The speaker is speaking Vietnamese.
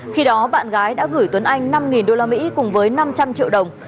khi đó bạn gái đã gửi tuấn anh năm usd cùng với năm trăm linh triệu đồng